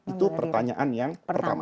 itu pertanyaan yang pertama